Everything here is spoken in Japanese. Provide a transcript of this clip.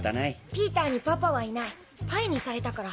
ピーターにパパはいないパイにされたから。